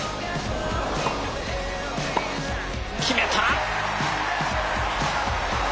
決めた！